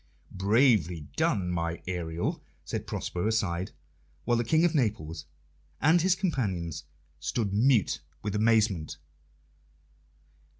"Bravely done, my Ariel!" said Prospero aside, while the King of Naples and his companions stood mute with amazement.